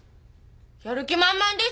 やる気満々です！